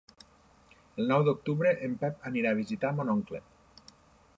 El nou d'octubre en Pep anirà a visitar mon oncle.